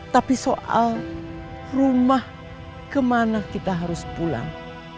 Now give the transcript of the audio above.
tapi soal rumah kemana kita harus pulang